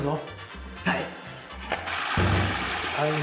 はい！